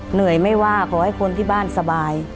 เหนื่อยไม่ว่าขอให้คนที่บ้านสบาย